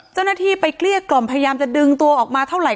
เจ้าหน้าที่ไปเกลี้ยกล่อมพยายามจะดึงตัวออกมาเท่าไห